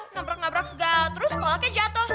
nabrak nabrak segala terus kok jatuh